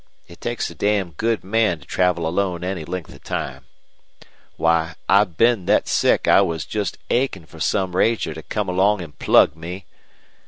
It takes a damn good man to travel alone any length of time. Why, I've been thet sick I was jest achin' fer some ranger to come along an' plug me.